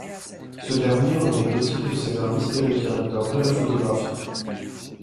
Ce dernier en est aussi le scénariste et le directeur de la photographie.